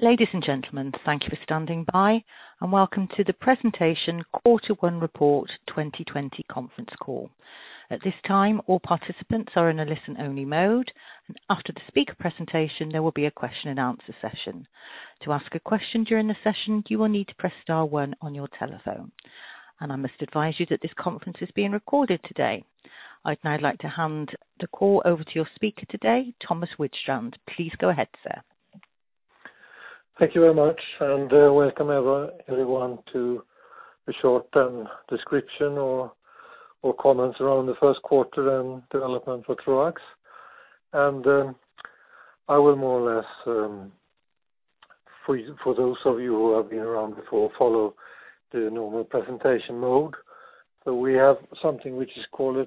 Ladies and gentlemen, thank you for standing by and welcome to the presentation Q1 Report 2020 Conference Call. At this time, all participants are in a listen-only mode, and after the speaker presentation, there will be a question and answer session. To ask a question during the session, you will need to press star one on your telephone. I must advise you that this conference is being recorded today. I'd now like to hand the call over to your speaker today, Thomas Widstrand. Please go ahead, sir. Thank you very much, and welcome everyone to the short description or comments around the first quarter and development for Troax. I will more or less, for those of you who have been around before, follow the normal presentation mode. We have something which is called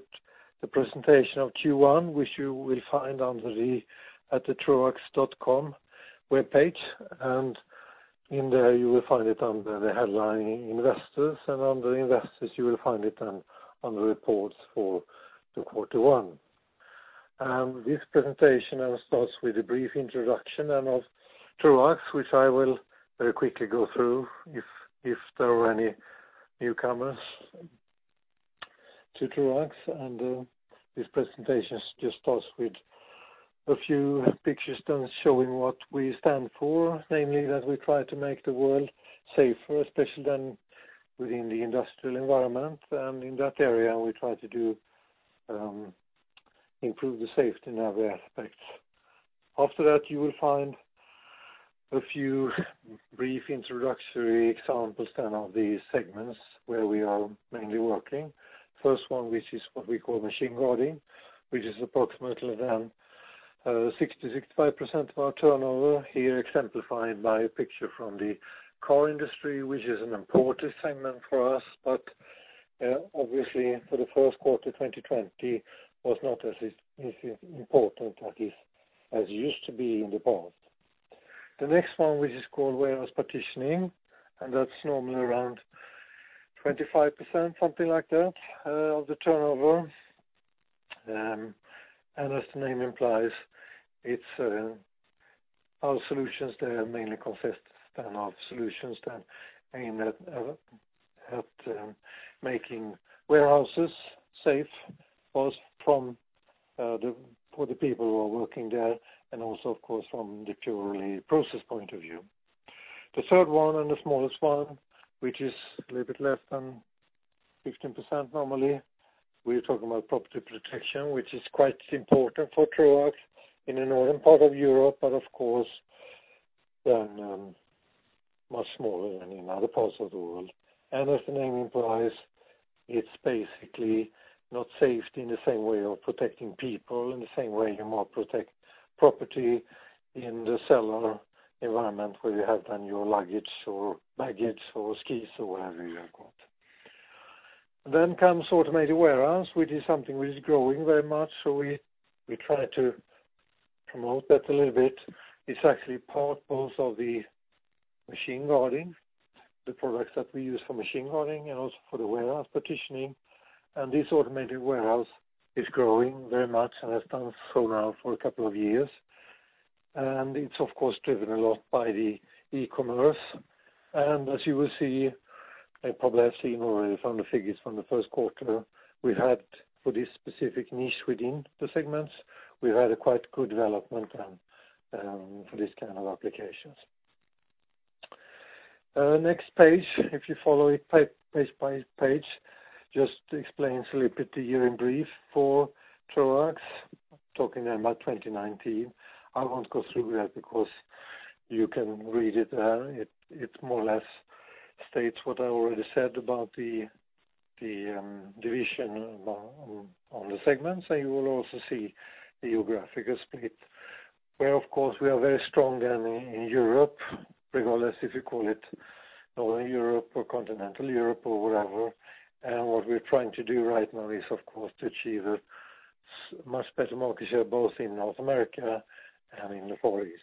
the presentation of Q1, which you will find under the troax.com webpage. In there, you will find it under the headline Investors, and under Investors, you will find it under Reports for the quarter one. This presentation starts with a brief introduction of Troax, which I will very quickly go through if there are any newcomers to Troax. This presentation just starts with a few pictures showing what we stand for. Namely, that we try to make the world safer, especially within the industrial environment. In that area, we try to improve the safety in other aspects. After that, you will find a few brief introductory examples of the segments where we are mainly working. First one, which is what we call Machine Guarding, which is approximately 60%-65% of our turnover, here exemplified by a picture from the car industry, which is an important segment for us, but, obviously for the first quarter 2020, was not as important as it used to be in the past. The next one, which is called Warehouse Partitioning, and that's normally around 25%, something like that, of the turnover. As the name implies, our solutions there mainly consist of solutions that aim at making warehouses safe, both for the people who are working there and also, of course, from the purely process point of view. The third one and the smallest one, which is a little bit less than 15% normally. We're talking about Property Protection, which is quite important for Troax in the northern part of Europe, of course, much smaller than in other parts of the world. As the name implies, it's basically not safety in the same way of protecting people, in the same way you might protect property in the cellar environment where you have your luggage or skis or whatever you have got. Comes automated warehouse, which is something which is growing very much, we try to promote that a little bit. It's actually part both of the Machine Guarding, the products that we use for Machine Guarding, also for the Warehouse Partitioning. This automated warehouse is growing very much and has done so now for a couple of years. It's, of course, driven a lot by the e-commerce. As you will see, and probably have seen already from the figures from the first quarter, for this specific niche within the segments, we've had a quite good development for this kind of applications. Next page, if you follow it page by page, just explains a little bit the year in brief for Troax, talking about 2019. I won't go through that because you can read it there. It more or less states what I already said about the division on the segments, and you will also see the geographical split, where of course, we are very strong in Europe, regardless if you call it Northern Europe or Continental Europe or whatever. What we're trying to do right now is, of course, to achieve a much better market share both in North America and in the Far East.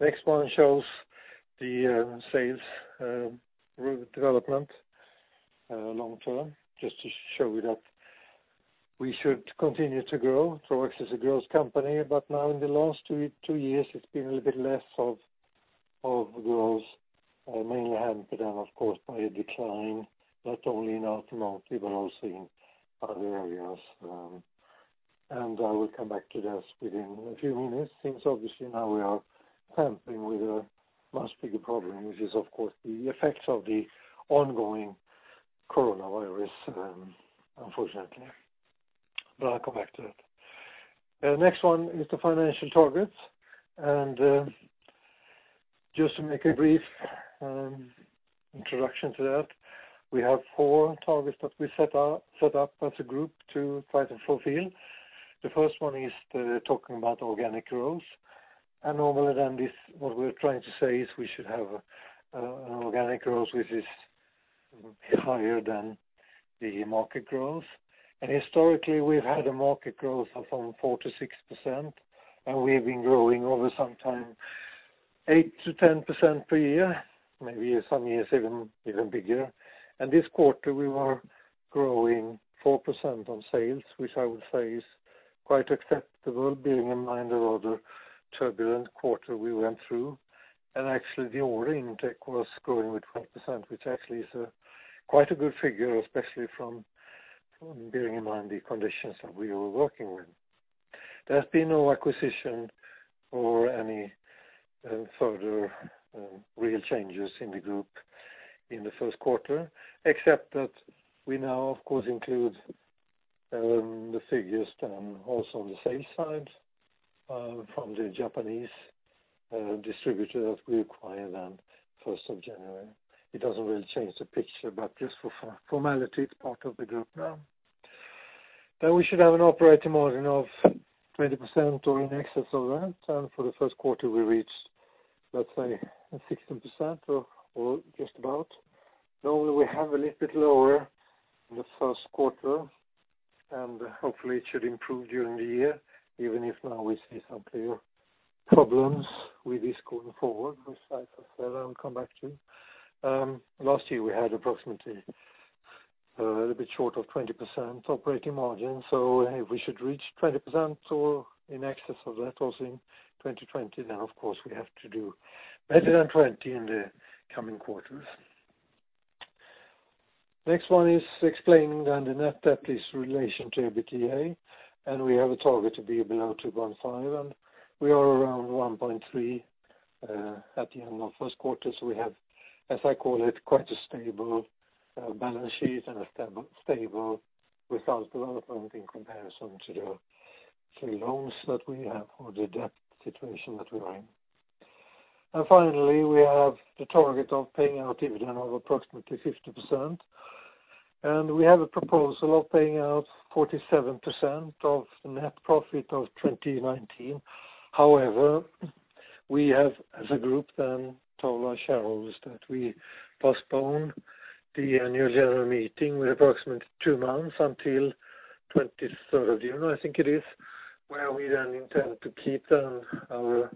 Next one shows the sales development long-term, just to show that we should continue to grow. Troax is a growth company, but now in the last two years, it's been a little bit less of growth, mainly hampered, of course, by a decline, not only in automotive but also in other areas. I will come back to this within a few minutes since obviously now we are tampering with a much bigger problem, which is, of course, the effects of the ongoing coronavirus, unfortunately. I'll come back to that. The next one is the financial targets, and just to make a brief introduction to that. We have four targets that we set up as a group to try to fulfill. The first one is talking about organic growth. Normally then, what we're trying to say is we should have an organic growth which is higher than the market growth. Historically, we've had a market growth of from 4% to 6%, and we've been growing over some time 8% to 10% per year, maybe some years even bigger. This quarter we were growing 4% on sales, which I would say is quite acceptable, bearing in mind the rather turbulent quarter we went through, and actually the order intake was growing with 12%, which actually is quite a good figure, especially from bearing in mind the conditions that we were working with. There has been no acquisition or any further real changes in the group in the first quarter, except that we now, of course, include the figures then also on the sales side from the Japanese distributor that we acquired on the 1st of January. It doesn't really change the picture, but just for formality, it's part of the group now. We should have an operating margin of 20% or in excess of that, and for the first quarter we reached, let's say, 16% or just about. Normally we have a little bit lower in the first quarter, and hopefully it should improve during the year, even if now we see some clear problems with this going forward, which I said I'll come back to. Last year, we had approximately a little bit short of 20% operating margin. If we should reach 20% or in excess of that also in 2020, then of course we have to do better than 20% in the coming quarters. Next one is explaining then the net debt is in relation to EBITDA, and we have a target to be below 2.5x, and we are around 1.3x at the end of first quarter. We have, as I call it, quite a stable balance sheet and a stable result development in comparison to the loans that we have or the debt situation that we are in. Finally, we have the target of paying out a dividend of approximately 50%, and we have a proposal of paying out 47% of the net profit of 2019. We have, as a group, then told our shareholders that we postpone the annual general meeting with approximately two months until 23rd of June, I think it is, where we then intend to keep our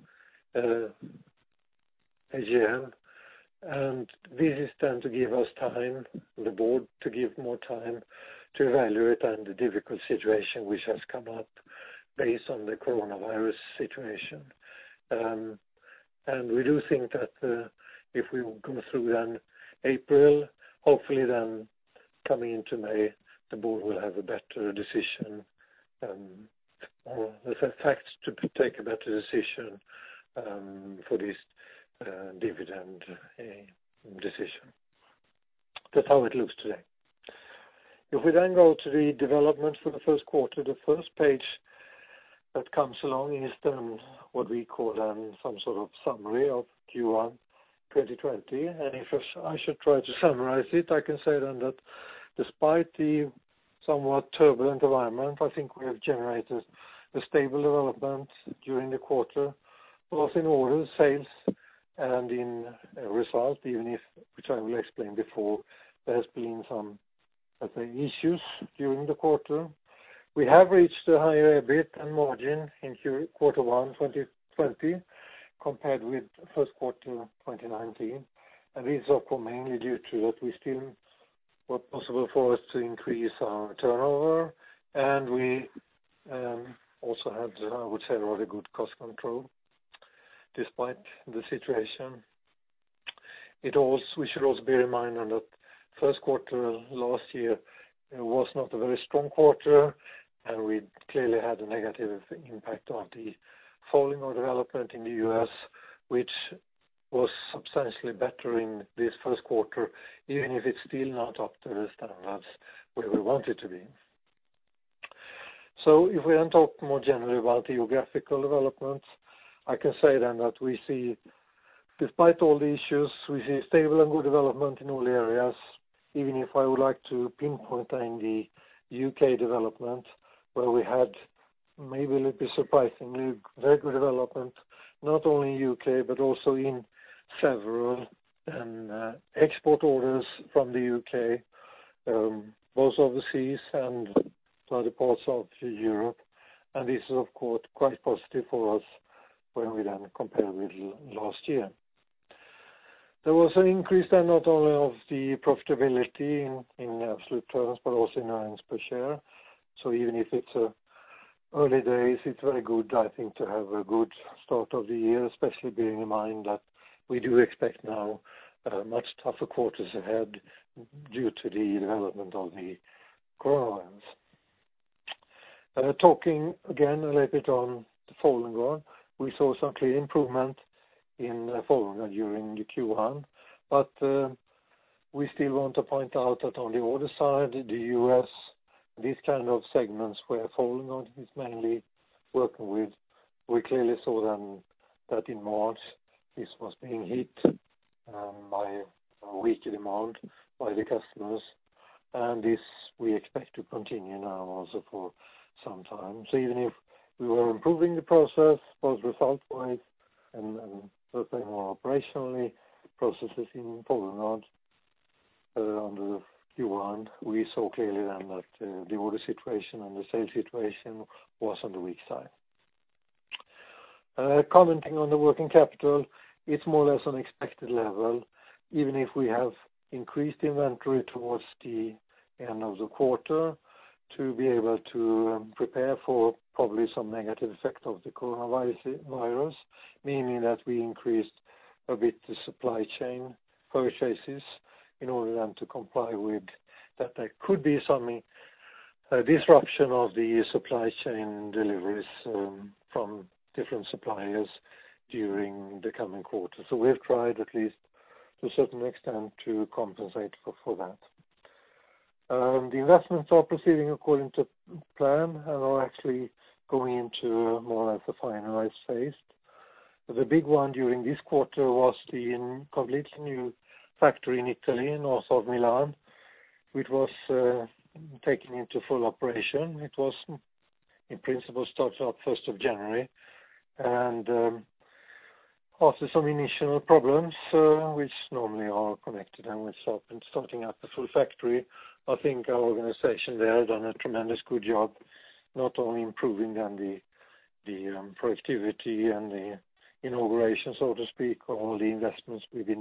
AGM, and this is then to give us time, the board, to give more time to evaluate the difficult situation which has come up based on the coronavirus situation. We do think that if we will go through then April, hopefully then coming into May, the board will have a better decision, or the facts to take a better decision for this dividend decision. That's how it looks today. If we then go to the development for the first quarter, the first page that comes along is then what we call then some sort of summary of Q1 2020. If I should try to summarize it, I can say then that despite the somewhat turbulent environment, I think we have generated a stable development during the quarter, both in orders, sales, and in results, even if, which I will explain before, there has been some, let's say, issues during the quarter. We have reached a higher EBIT and margin in Q1 2020 compared with first quarter 2019. These are mainly due to what we still were possible for us to increase our turnover, and we also had, I would say, rather good cost control despite the situation. We should also bear in mind that first quarter last year was not a very strong quarter, and we clearly had a negative impact on the volume development in the U.S., which was substantially better in this first quarter, even if it's still not up to the standards where we want it to be. If we then talk more generally about the geographical development, I can say then that despite all the issues, we see stable and good development in all areas. Even if I would like to pinpoint then the U.K. development, where we had maybe a little bit surprisingly, very good development, not only in U.K., but also in several export orders from the U.K., both overseas and by the ports of Europe. This is, of course, quite positive for us when we then compare with last year. There was an increase then not only of the profitability in absolute terms, but also in earnings per share. Even if it's early days, it's very good, I think, to have a good start of the year, especially bearing in mind that we do expect now much tougher quarters ahead due to the development of the coronavirus. Talking again a little bit on the Folding Guard. We saw some clear improvement in Folding Guard during the Q1, but we still want to point out that on the order side, the U.S., these kind of segments where Folding Guard is mainly working with, we clearly saw then that in March, this was being hit by weaker demand by the customers, and this we expect to continue now also for some time. Even if we were improving the process both result-wise and, let's say, more operationally, processes in Folding Guard under the Q1, we saw clearly then that the order situation and the sales situation was on the weak side. Commenting on the working capital, it's more or less on expected level, even if we have increased inventory towards the end of the quarter to be able to prepare for probably some negative effect of the coronavirus, meaning that we increased a bit the supply chain purchases in order then to comply with that there could be some disruption of the supply chain deliveries from different suppliers during the coming quarter. We have tried at least to a certain extent, to compensate for that. The investments are proceeding according to plan and are actually going into more or less the finalized phase. The big one during this quarter was the complete new factory in Italy, north of Milan, which was taken into full operation. It was in principle, started up 1st of January, and after some initial problems, which normally are connected when starting up a full factory, I think our organization there has done a tremendous good job, not only improving on the productivity and the inauguration, so to speak, all the investments we've been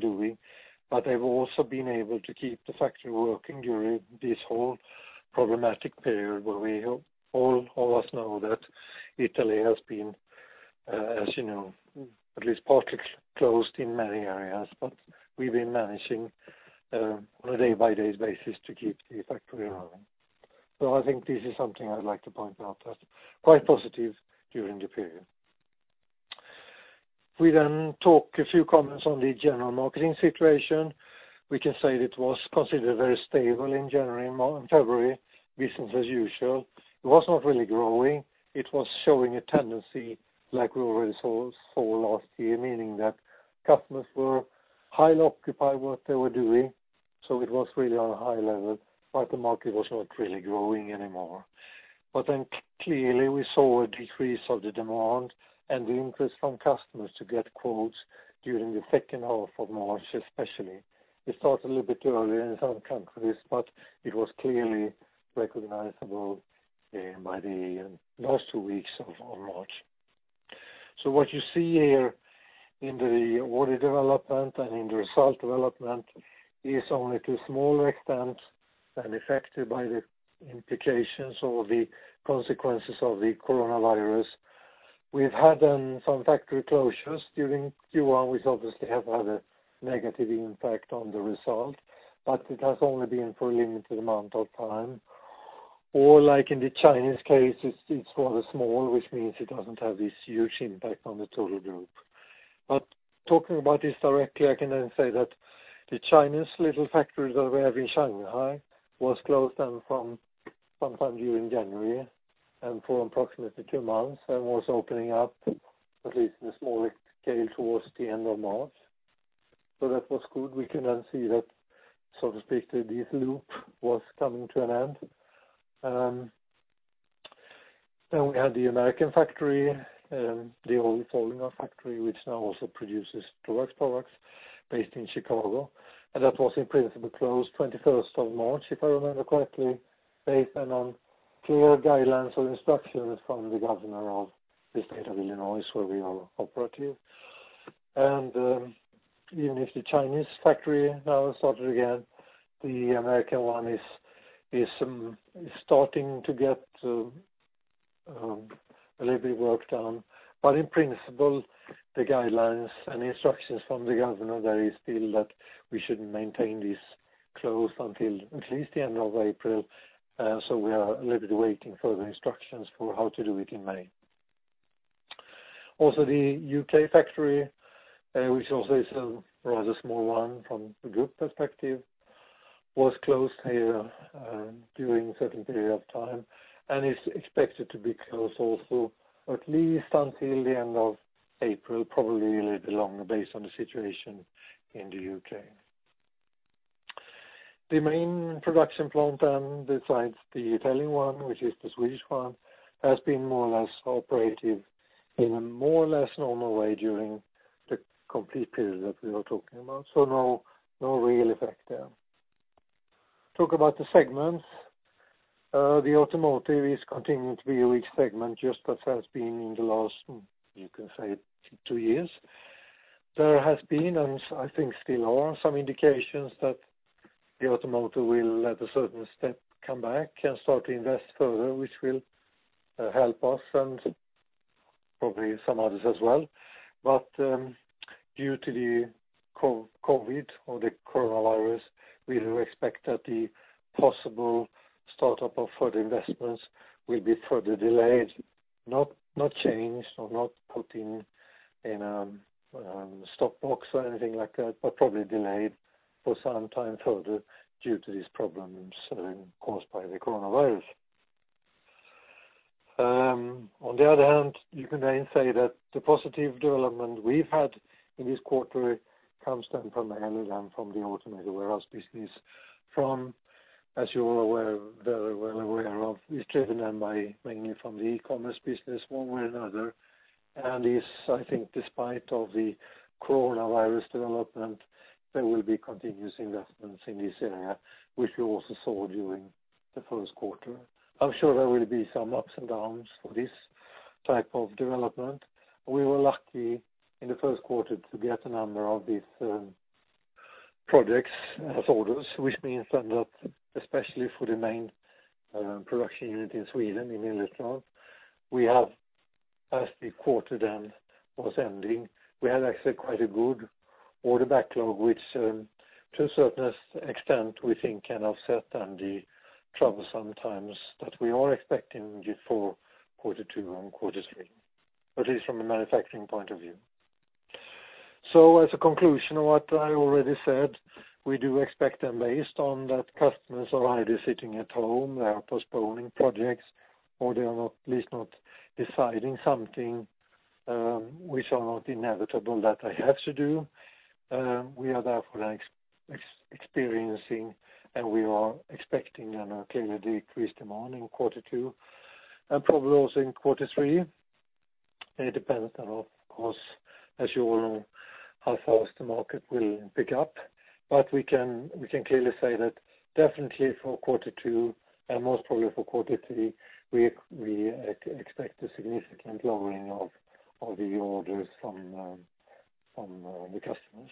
doing, but have also been able to keep the factory working during this whole problematic period where all of us know that Italy has been, as you know, at least partly closed in many areas, but we've been managing on a day-by-day basis to keep the factory running. I think this is something I'd like to point out that's quite positive during the period. We talk a few comments on the general marketing situation. We can say it was considered very stable in January and February, business as usual. It was not really growing. It was showing a tendency like we already saw last year, meaning that customers were highly occupied with what they were doing, so it was really on a high level, but the market was not really growing anymore. Clearly we saw a decrease of the demand and the interest from customers to get quotes during the second half of March, especially. It started a little bit earlier in some countries, but it was clearly recognizable by the last two weeks of March. What you see here in the order development and in the result development is only to a small extent affected by the implications or the consequences of the coronavirus. We've had some factory closures during Q1, which obviously have had a negative impact on the result, but it has only been for a limited amount of time. Or like in the Chinese case, it's rather small, which means it doesn't have this huge impact on the total group. Talking about this directly, I can then say that the Chinese little factory that we have in Shanghai was closed sometime during January, and for approximately two months, and was opening up at least in a small scale towards the end of March. That was good. We can then see that, so to speak, this loop was coming to an end. We had the American factory, the old Folding Guard factory, which now also produces Troax products based in Chicago, and that was in principle closed 21st of March, if I remember correctly, based on clear guidelines or instructions from the governor of the state of Illinois, where we are operative. Even if the Chinese factory now has started again, the American one is starting to get a little bit worked on. In principle, the guidelines and instructions from the governor there is still that we should maintain this closed until at least the end of April. We are a little bit waiting further instructions for how to do it in May. The U.K. factory, which also is a rather small one from a group perspective, was closed here during a certain period of time and is expected to be closed also at least until the end of April, probably a little bit longer based on the situation in the U.K. The main production plant, besides the Italian one, which is the Swedish one, has been more or less operative in a more or less normal way during the complete period that we are talking about. No real effect there. Talk about the segments. The automotive is continuing to be a weak segment, just as has been in the last, you can say, two years. There has been, and I think still are, some indications that the automotive will, at a certain step, come back and start to invest further, which will help us and probably some others as well. Due to the COVID or the coronavirus, we do expect that the possible startup of further investments will be further delayed, not changed or not put in a stop box or anything like that, but probably delayed for some time further due to these problems caused by the coronavirus. On the other hand, you can then say that the positive development we've had in this quarter comes then from the elevator and from the automated warehouse business, as you are well aware of, is driven mainly from the e-commerce business one way or another, and is, I think despite of the COVID development, there will be continuous investments in this area, which you also saw during the first quarter. I'm sure there will be some ups and downs for this type of development. We were lucky in the first quarter to get a number of these projects as orders, which means that especially for the main production unit in Sweden, in Mjölby, as the quarter was ending, we had actually quite a good order backlog, which to a certain extent, we think can offset the troublesome times that we are expecting for quarter two and quarter three, at least from a manufacturing point of view. As a conclusion of what I already said, we do expect and based on that customers are either sitting at home, they are postponing projects, or they are at least not deciding something, which are not inevitable that they have to do. We are therefore experiencing and we are expecting a clearly decreased demand in quarter two and probably also in quarter three. It depends on, of course, as you all know, how fast the market will pick up. We can clearly say that definitely for quarter two and most probably for quarter three, we expect a significant lowering of the orders from the customers.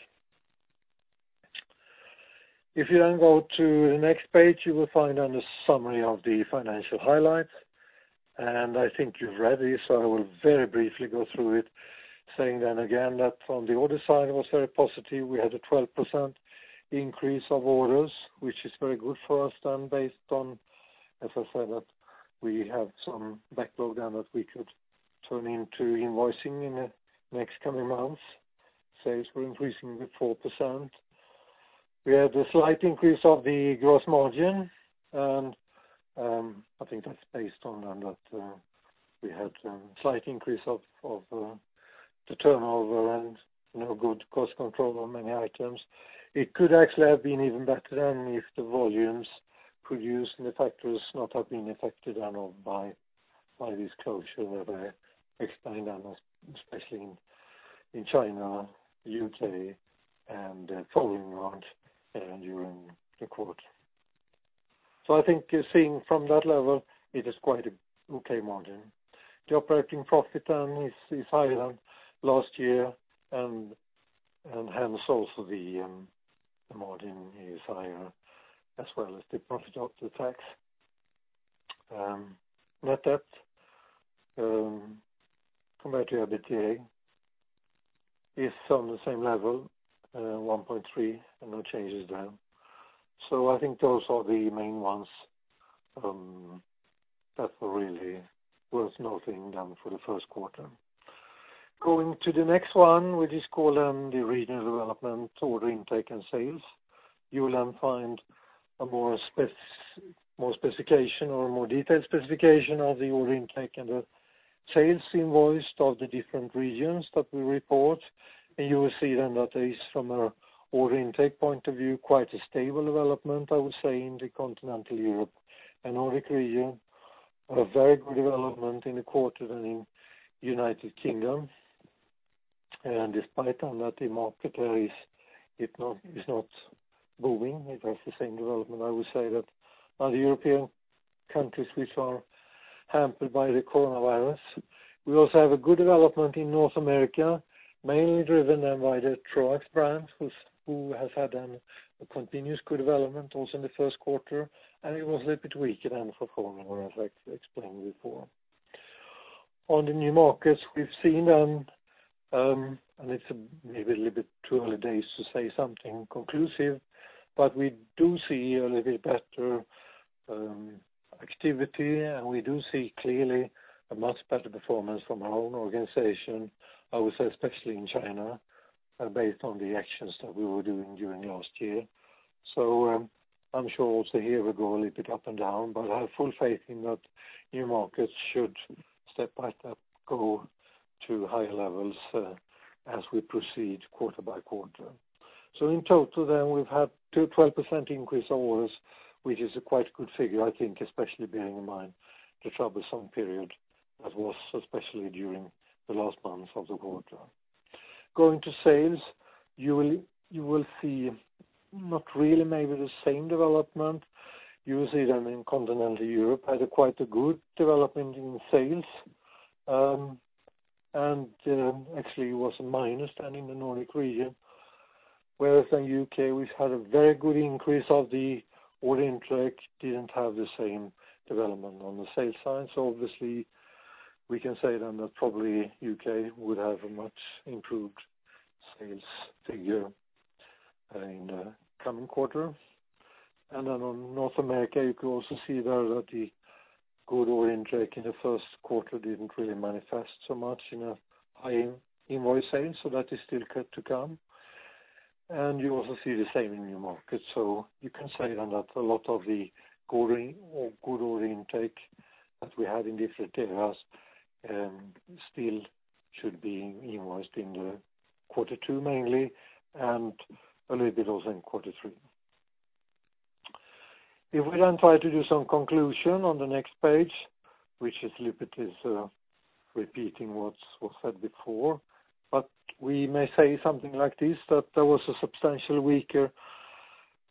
If you go to the next page, you will find a summary of the financial highlights. I think you've read this. I will very briefly go through it, saying again, that from the order side, it was very positive. We had a 12% increase of orders, which is very good for us, and based on, as I said, that we have some backlog that we could turn into invoicing in the next coming months. Sales were increasing with 4%. We had a slight increase of the gross margin. I think that's based on that we had a slight increase of the turnover and no good cost control on many items. It could actually have been even better then if the volumes produced in the factories not have been affected by this closure, where they explained, especially in China, U.K., and Poland during the quarter. I think you're seeing from that level, it is quite an okay margin. The operating profit then is higher last year, and hence also the margin is higher as well as the profit after tax. Net debt compared to EBITDA is on the same level, 1.3x, and no changes there. I think those are the main ones that are really worth noting for the first quarter. Going to the next one, which is called the regional development, order intake, and sales. You will find more detailed specification of the order intake and the sales invoice of the different regions that we report. You will see then that is from a order intake point of view, quite a stable development, I would say, in the Continental Europe and Nordic region, but a very good development in the quarter than in United Kingdom. Despite that the market there is not booming, it has the same development, I would say that other European countries which are hampered by the COVID. We also have a good development in North America, mainly driven by the Troax brand, who has had a continuous good development also in the first quarter, and it was a little bit weaker then for Folding Guard as I explained before. On the new markets we've seen, and it's maybe a little bit too early days to say something conclusive, but we do see a little bit better activity, and we do see clearly a much better performance from our own organization, I would say, especially in China, based on the actions that we were doing during last year. I'm sure also here we go a little bit up and down, but I have full faith in that new markets should, step by step, go to higher levels as we proceed quarter by quarter. In total then, we've had 12% increase of orders, which is a quite good figure, I think, especially bearing in mind the troublesome period that was, especially during the last months of the quarter. Going to sales, you will see not really maybe the same development. You will see them in Continental Europe, had a quite a good development in sales. Actually, it was a minus then in the Nordic region, whereas in U.K., we've had a very good increase of the order intake, didn't have the same development on the sales side. Obviously, we can say then that probably U.K. would have a much improved sales figure in the coming quarter. Then on North America, you could also see there that the good order intake in the first quarter didn't really manifest so much in a high invoice sales. That is still yet to come. You also see the same in new markets. You can say then that a lot of the good order intake that we had in different data still should be invoiced in the quarter two mainly, and a little bit also in quarter three. We then try to do some conclusion on the next page, which is a little bit repeating what was said before. We may say something like this, that there was a substantial weaker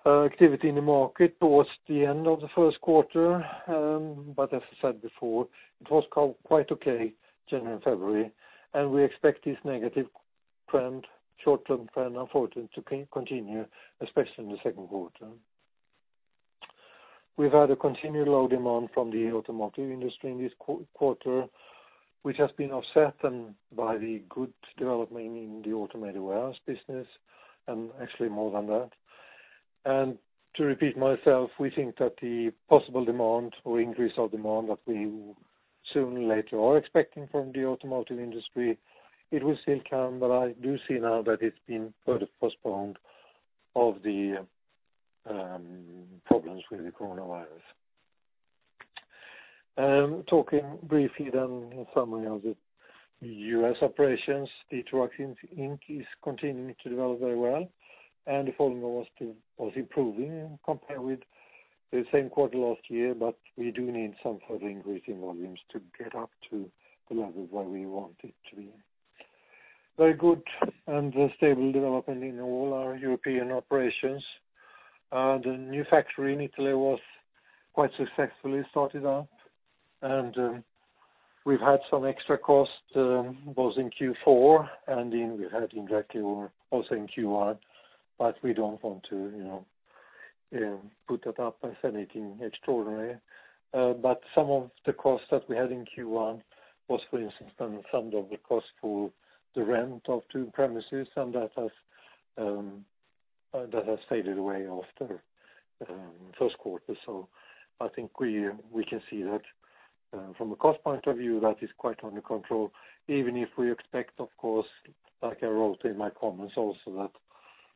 activity in the market towards the end of the first quarter. As I said before, it was quite okay, January and February. We expect this negative short-term trend, unfortunately, to continue, especially in the second quarter. We've had a continued low demand from the automotive industry in this quarter, which has been offset by the good development in the automated warehouse business and actually more than that. To repeat myself, we think that the possible demand or increase of demand that we soon later are expecting from the automotive industry, it will still come, but I do see now that it's been further postponed of the problems with the coronavirus. Talking briefly then in summary of the U.S. operations, the Troax, Inc. is continuing to develop very well, and the formula was improving compared with the same quarter last year, but we do need some further increase in volumes to get up to the level where we want it to be. Very good and stable development in all our European operations. The new factory in Italy was quite successfully sorted out, and we've had some extra cost, both in Q4 and then we had exactly also in Q1, but we don't want to put that up as anything extraordinary. Some of the costs that we had in Q1 was, for instance, some of the cost for the rent of two premises, and that has faded away after the first quarter. I think we can see that from a cost point of view, that is quite under control, even if we expect, of course, like I wrote in my comments also, that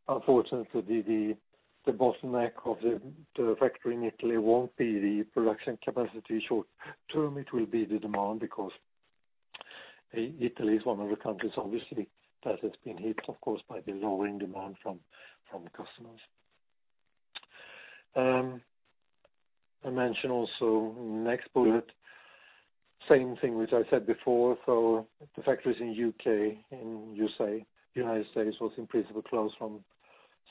unfortunately, the bottleneck of the factory in Italy won't be the production capacity short-term, it will be the demand because Italy is one of the countries, obviously, that has been hit, of course, by the lowering demand from customers. I mention also next bullet, same thing which I said before. The factories in U.K. and United States was in principle closed from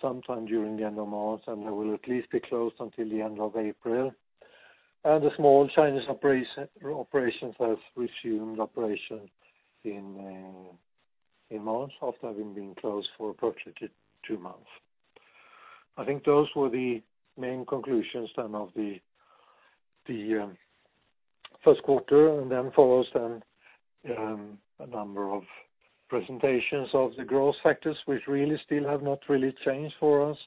sometime during the end of March, and they will at least be closed until the end of April. The small Chinese operations have resumed operation in March after having been closed for approximately two months. I think those were the main conclusions then of the first quarter, and then follows a number of presentations of the growth factors, which really still have not really changed for us.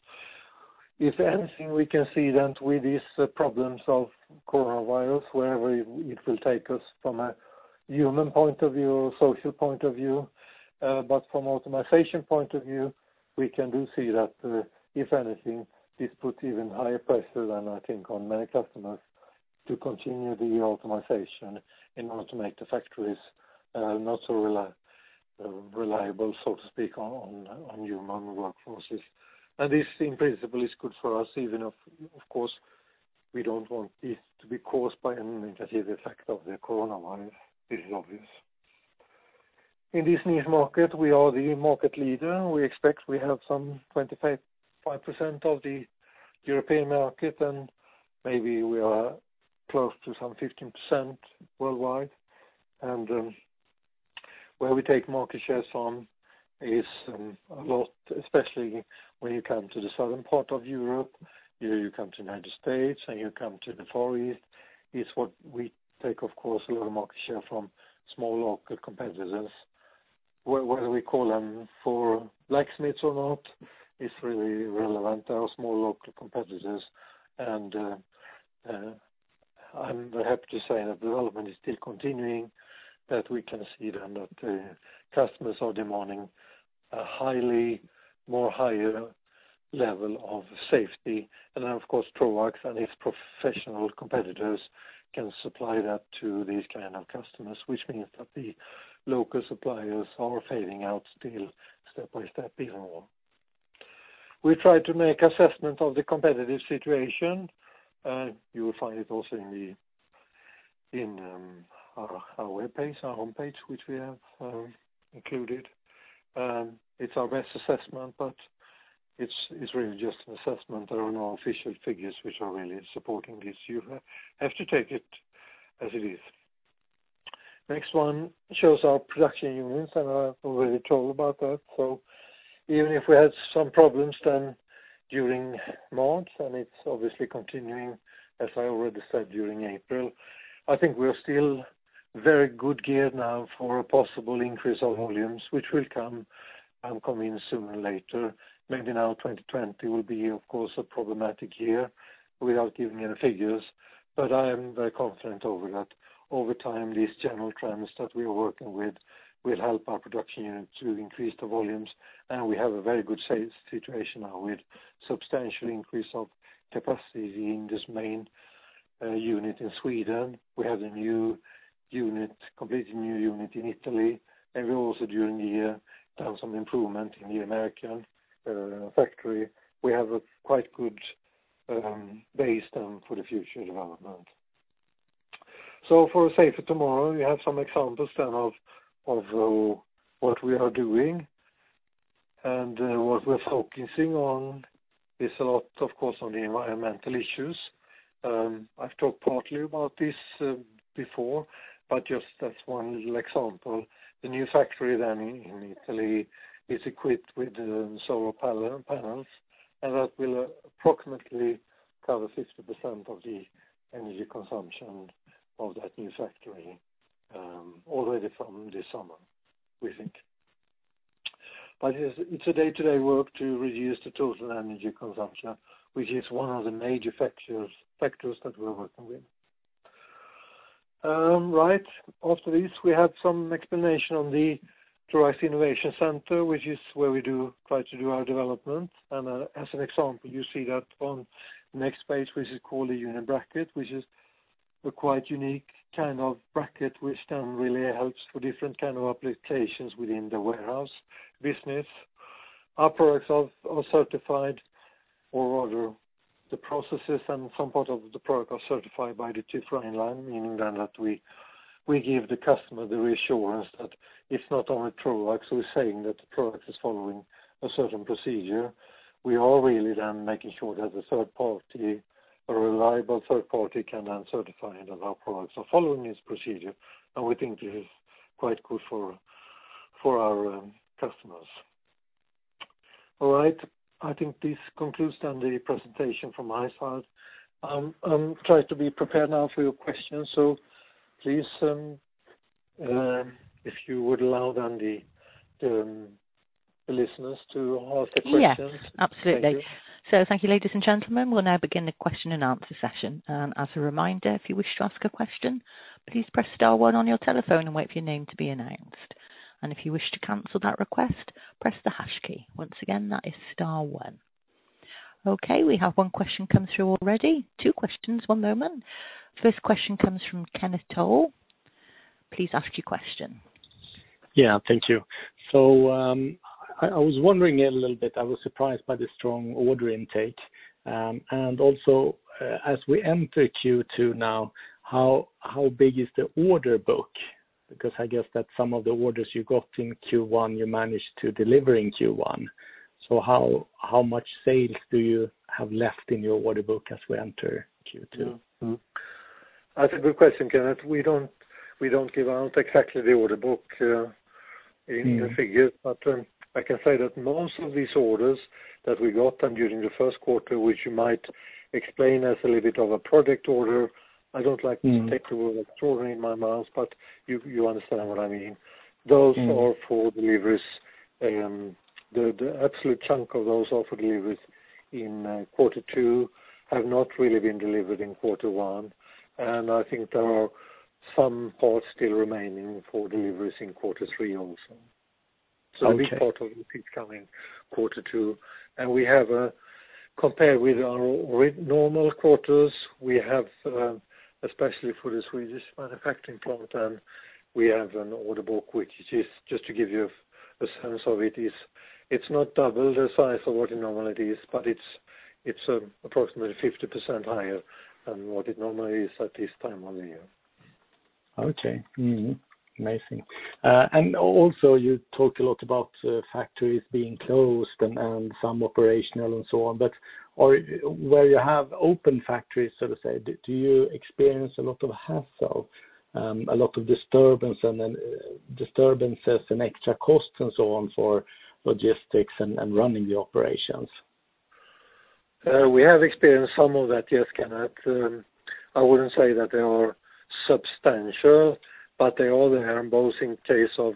If anything, we can see that with these problems of Coronavirus, wherever it will take us from a human point of view or social point of view, but from optimization point of view, we can do see that, if anything, this puts even higher pressure than I think on many customers to continue the optimization in order to make the factories not so reliable, so to speak, on human workforces. This, in principle, is good for us, even if, of course, we don't want this to be caused by any negative effect of the Coronavirus, this is obvious. In this niche market, we are the market leader. We expect we have some 25% of the European market, and maybe we are close to some 15% worldwide. Where we take market shares on is a lot, especially when you come to the southern part of Europe, you come to U.S. and you come to the Far East, is what we take, of course, a lot of market share from small local competitors. Whether we call them for blacksmiths or not, it's really relevant to our small local competitors. I'm very happy to say that development is still continuing, that we can see then that customers are demanding a more higher level of safety. Of course, Troax and its professional competitors can supply that to these kind of customers, which means that the local suppliers are fading out still step by step even more. We try to make assessment of the competitive situation. You will find it also in our webpage, our homepage, which we have included. It's our best assessment, but it's really just an assessment. There are no official figures which are really supporting this. You have to take it as it is. Next one shows our production units, and I've already told about that. Even if we had some problems then during March, and it's obviously continuing, as I already said, during April, I think we're still very good geared now for a possible increase of volumes, which will come in sooner or later. Maybe now 2020 will be, of course, a problematic year without giving any figures. I am very confident over that. Over time, these general trends that we are working with will help our production units to increase the volumes. We have a very good sales situation now with substantial increase of capacity in this main unit in Sweden. We have a completely new unit in Italy, and we also during the year done some improvement in the American factory. We have a quite good base for the future development. For a safer tomorrow, we have some examples then of what we are doing and what we're focusing on is a lot, of course, on the environmental issues. I've talked partly about this before, but just as one little example, the new factory then in Italy is equipped with solar panels, and that will approximately cover 60% of the energy consumption of that new factory already from this summer, we think. It's a day-to-day work to reduce the total energy consumption, which is one of the major factors that we're working with. We had some explanation on the Troax Innovation Center, which is where we try to do our development. You see that on the next page, which is called a Uni-bracket, which is a quite unique kind of bracket, which then really helps for different kind of applications within the warehouse business. Our products are certified or the processes and some part of the product are certified by the TÜV Rheinland, meaning that we give the customer the reassurance that it's not only Troax who's saying that the product is following a certain procedure. We are really then making sure that a reliable third party can then certify it and our products are following this procedure, we think this is quite good for our customers. All right. I think this concludes then the presentation from my side. I'll try to be prepared now for your questions. Please, if you would allow then the listeners to ask the questions. Yes, absolutely. Thank you. Thank you, ladies and gentlemen. We'll now begin the question and answer session. As a reminder, if you wish to ask a question, please press star one on your telephone and wait for your name to be announced. If you wish to cancel that request, press the hash key. Once again, that is star one. We have one question come through already. Two questions, one moment. First question comes from Kenneth Toll. Please ask your question. Yeah, thank you. I was wondering a little bit, I was surprised by the strong order intake. Also, as we enter Q2 now, how big is the order book? Because I guess that some of the orders you got in Q1, you managed to deliver in Q1. How much sales do you have left in your order book as we enter Q2? That's a good question, Kenneth. We don't give out exactly the order book in the figures, but I can say that most of these orders that we got during the first quarter, which you might explain as a little bit of a project order, I don't like to take the word extraordinary in my mouth, but you understand what I mean. The absolute chunk of those are for deliveries in quarter two, have not really been delivered in quarter one, and I think there are some parts still remaining for deliveries in quarter three also. Okay. A big part of it is coming quarter two. Compared with our normal quarters, we have, especially for the Swedish manufacturing plant, we have an order book, which is just to give you a sense of it's not double the size of what it normally is, but it's approximately 50% higher than what it normally is at this time of the year. Okay. Amazing. Also, you talk a lot about factories being closed and some operational and so on. Where you have open factories, so to say, do you experience a lot of hassle, a lot of disturbances and extra costs and so on for logistics and running the operations? We have experienced some of that, yes, Kenneth. I wouldn't say that they are substantial, but they are there both in case of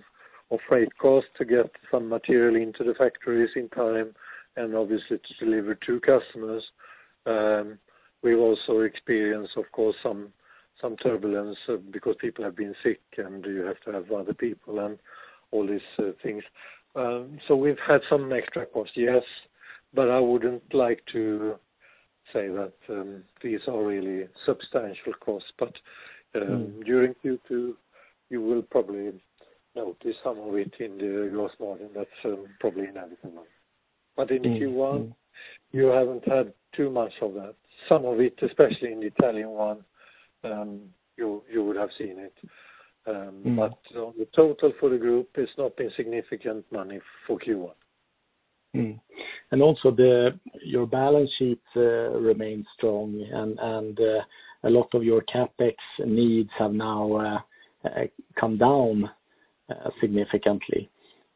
freight costs to get some material into the factories in time and obviously to deliver to customers. We've also experienced, of course, some turbulence because people have been sick, and you have to have other people and all these things. We've had some extra costs, yes, but I wouldn't like to say that these are really substantial costs. During Q2, you will probably notice some of it in the gross margin that's probably inevitable. In Q1, you haven't had too much of that. Some of it, especially in the Italian one, you would have seen it. The total for the group is not insignificant money for Q1. Also, your balance sheet remains strong, and a lot of your CapEx needs have now come down significantly.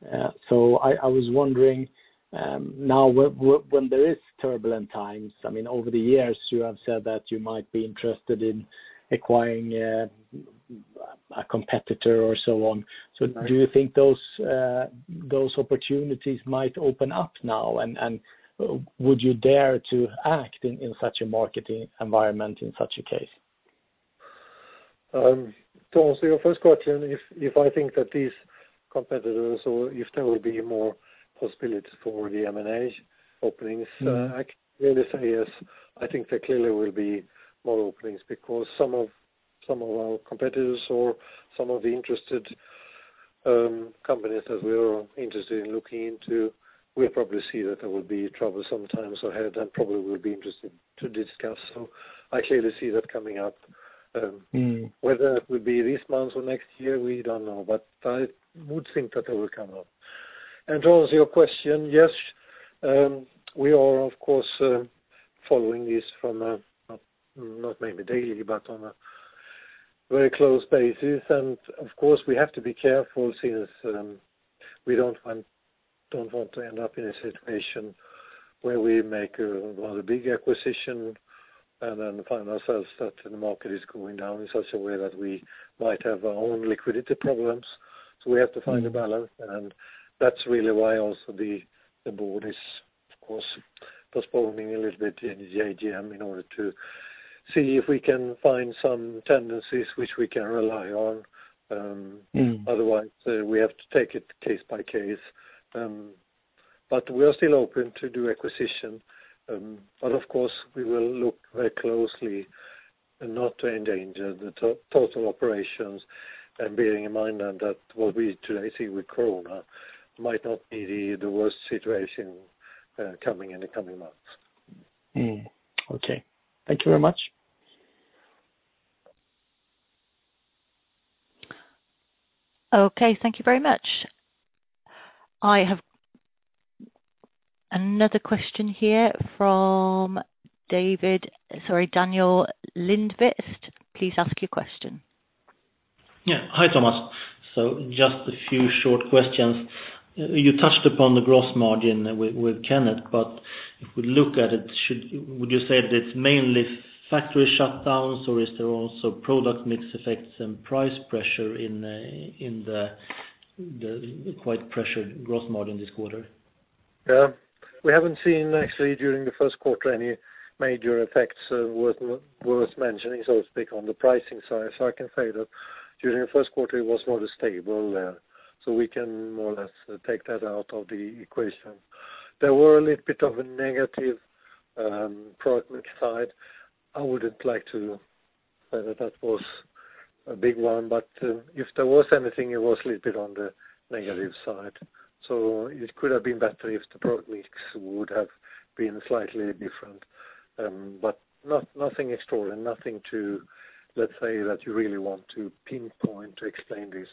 I was wondering, now when there is turbulent times, over the years, you have said that you might be interested in acquiring a competitor or so on. Right. Do you think those opportunities might open up now, and would you dare to act in such a marketing environment in such a case? To answer your first question, if I think that these competitors or if there will be more possibilities for the M&A openings, I can clearly say yes. I think there clearly will be more openings because some of our competitors or some of the interested companies that we are interested in looking into, we'll probably see that there will be trouble sometimes ahead, and probably will be interesting to discuss. I clearly see that coming up. Whether it will be this month or next year, we don't know. I would think that it will come up. To answer your question, yes, we are of course following this from, not maybe daily, but on a very close basis. Of course, we have to be careful since we don't want to end up in a situation where we make a rather big acquisition and then find ourselves that the market is going down in such a way that we might have our own liquidity problems. We have to find- a balance, and that's really why also the board is, of course, postponing a little bit in the AGM in order to see if we can find some tendencies which we can rely on. Otherwise, we have to take it case by case. We are still open to do acquisition. Of course, we will look very closely not to endanger the total operations and bearing in mind that what we today see with COVID might not be the worst situation, coming in the coming months. Okay. Thank you very much. Okay. Thank you very much. I have another question here from Daniel Lindkvist. Please ask your question. Yeah. Hi, Thomas. Just a few short questions. You touched upon the gross margin with Kenneth, but if we look at it, would you say that it's mainly factory shutdowns, or is there also product mix effects and price pressure in the quite pressured gross margin this quarter? Yeah. We haven't seen actually during the first quarter any major effects worth mentioning, so to speak, on the pricing side. I can say that during the first quarter it was more stable there, so we can more or less take that out of the equation. There were a little bit of a negative product mix side. I wouldn't like to say that that was a big one, but if there was anything, it was a little bit on the negative side. It could have been better if the product mix would have been slightly different. Nothing extraordinary. Nothing to let's say that you really want to pinpoint to explain this.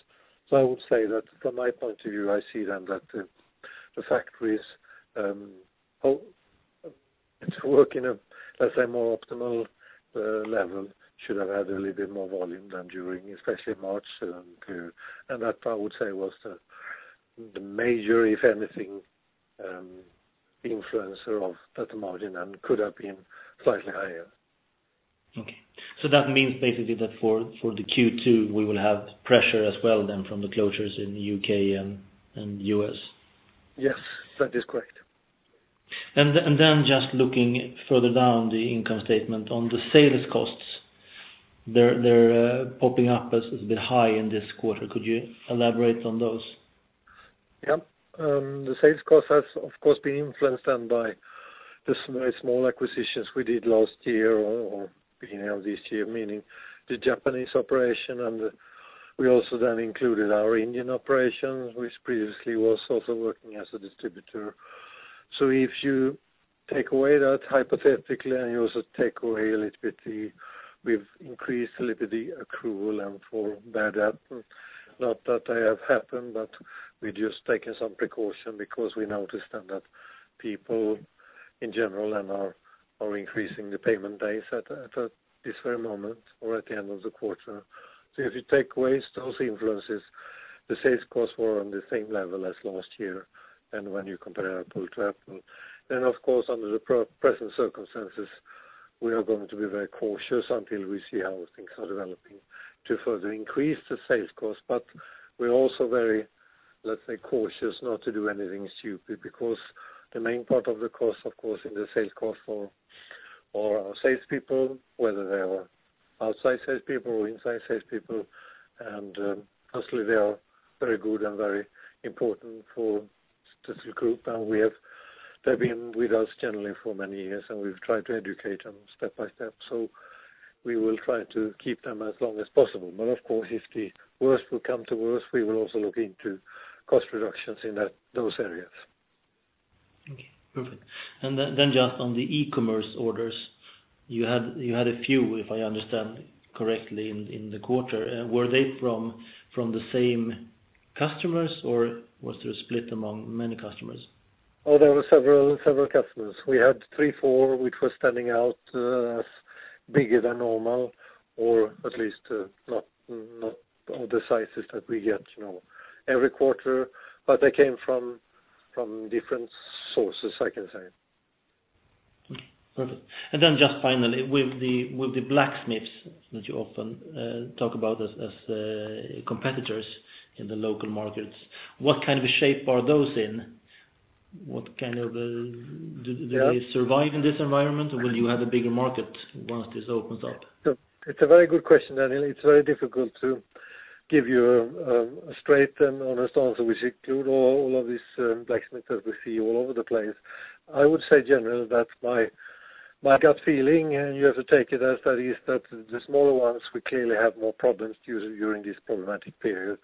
I would say that from my point of view, I see then that the factories it's working at let's say more optimal level should have had a little bit more volume than during especially March. That I would say was the major, if anything, influencer of that margin and could have been slightly higher. Okay. That means basically that for the Q2, we will have pressure as well then from the closures in U.K. and U.S.? Yes, that is correct. Just looking further down the income statement on the sales costs. They're popping up as a bit high in this quarter. Could you elaborate on those? The sales cost has, of course, been influenced then by the very small acquisitions we did last year or beginning of this year, meaning the Japanese operation, and we also then included our Indian operations, which previously was also working as a distributor. If you take away that hypothetically, and you also take away a little bit, we've increased a little bit the accrual and for bad debt, not that they have happened, but we're just taking some precaution because we noticed then that people in general are increasing the payment days at this very moment or at the end of the quarter. If you take away those influences, the sales costs were on the same level as last year, and when you compare apple to apple. Of course, under the present circumstances, we are going to be very cautious until we see how things are developing to further increase the sales cost. We're also very, let's say, cautious not to do anything stupid because the main part of the cost, of course, in the sales cost are our salespeople, whether they are outside salespeople or inside salespeople. Personally, they are very good and very important for this group. They've been with us generally for many years, and we've tried to educate them step by step. We will try to keep them as long as possible. Of course, if the worst will come to worst, we will also look into cost reductions in those areas. Okay, perfect. Just on the e-commerce orders, you had a few, if I understand correctly, in the quarter. Were they from the same customers, or was there a split among many customers? There were several customers. We had three, four, which were standing out as bigger than normal, or at least not the sizes that we get every quarter. They came from different sources, I can say. Okay. Perfect. Just finally, with the blacksmiths that you often talk about as competitors in the local markets, what kind of shape are those in? Do they survive in this environment, or will you have a bigger market once this opens up? It's a very good question, Daniel. It's very difficult to give you a straight and honest answer, which include all of these blacksmiths that we see all over the place. I would say generally that My gut feeling, and you have to take it as that is, that the smaller ones will clearly have more problems during this problematic period.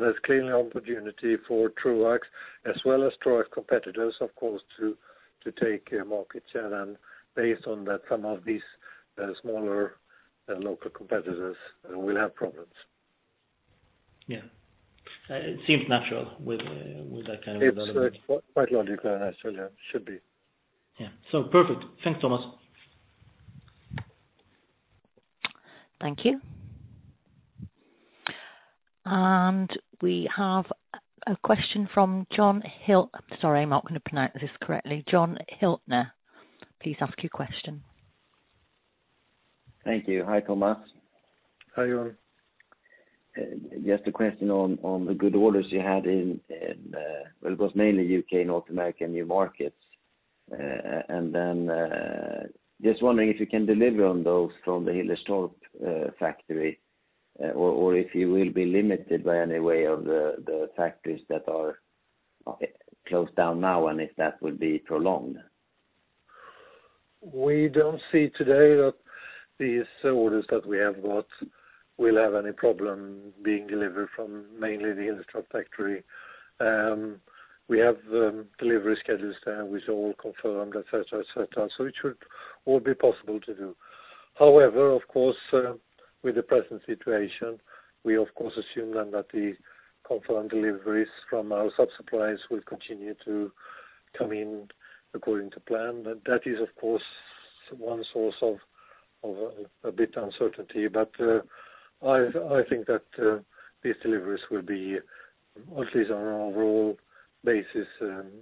There's clearly opportunity for Troax, as well as Troax competitors, of course, to take market share, and based on that some of these smaller local competitors will have problems. Yeah. It seems natural with that kind of- It's quite logically, naturally should be. Yeah. Perfect. Thanks, Thomas. Thank you. We have a question from Johan Hultén. Sorry, I'm not going to pronounce this correctly. Johan Hultén. Please ask your question. Thank you. Hi, Thomas. Hi, Johan. Just a question on the good orders you had in, well, it was mainly U.K., North America, and new markets. Just wondering if you can deliver on those from the Hillerstorp factory, or if you will be limited by any way of the factories that are closed down now, and if that would be prolonged? We don't see today that these orders that we have got will have any problem being delivered from mainly the Hillerstorp factory. We have delivery schedules there, which are all confirmed, et cetera. It should all be possible to do. However, of course, with the present situation, we of course assume then that the confirmed deliveries from our sub-suppliers will continue to come in according to plan. That is, of course, one source of a bit uncertainty. I think that these deliveries will be, at least on an overall basis,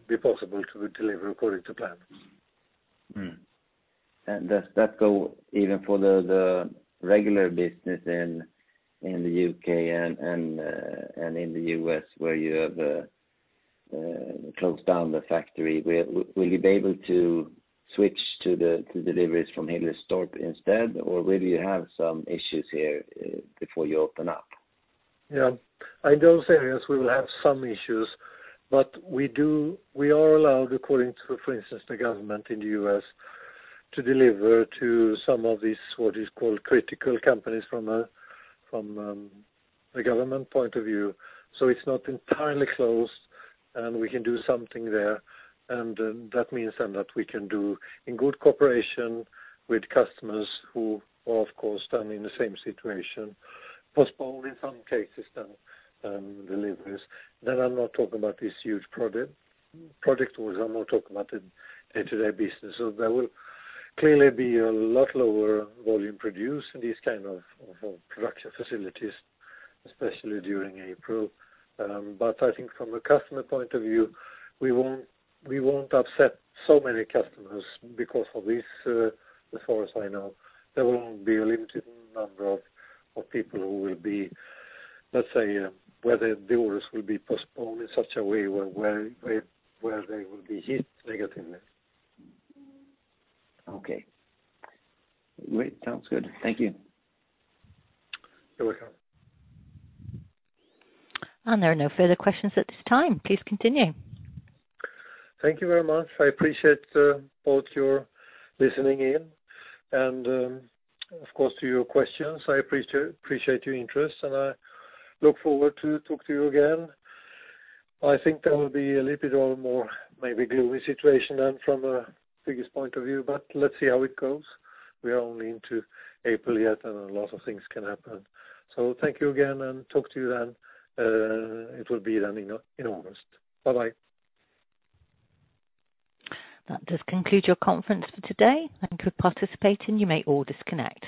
be possible to deliver according to plan. Mm. does that go even for the regular business in the U.K. and in the U.S. where you have closed down the factory? Will you be able to switch to deliveries from Hillerstorp instead, or will you have some issues here before you open up? In those areas, we will have some issues, but we are allowed, according to, for instance, the government in the U.S., to deliver to some of these, what is called critical companies from a government point of view. It's not entirely closed, and we can do something there, and that means then that we can do in good cooperation with customers who, of course, stand in the same situation, postpone in some cases then, deliveries. I'm not talking about these huge project orders. I'm now talking about the day-to-day business. There will clearly be a lot lower volume produced in these kind of production facilities, especially during April. I think from a customer point of view, we won't upset so many customers because of this. As far as I know, there will be a limited number of people who will be, let's say, where the orders will be postponed in such a way where they will be hit negatively. Okay. Great. Sounds good. Thank you. You're welcome. There are no further questions at this time. Please continue. Thank you very much. I appreciate both your listening in and, of course, to your questions. I appreciate your interest, and I look forward to talk to you again. I think there will be a little more maybe gloomy situation than from a figures point of view, but let's see how it goes. We are only into April yet, and a lot of things can happen. Thank you again, and talk to you then. It will be then in August. Bye-bye. That does conclude your conference for today. Thank you for participating. You may all disconnect.